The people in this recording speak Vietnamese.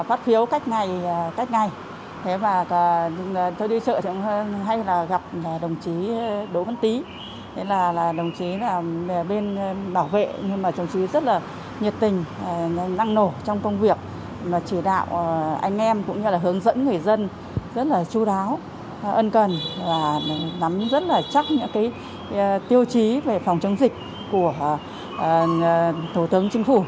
anh em cũng như là hướng dẫn người dân rất là chú đáo ân cần và nắm rất là chắc những tiêu chí về phòng chống dịch của thủ tướng chính phủ